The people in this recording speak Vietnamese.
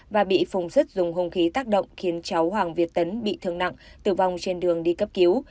và bị phùng rứt dùng hung khí tác động khiến cháu hoàng việt tấn bị thương nặng tử vong trên đường đi cấp cứu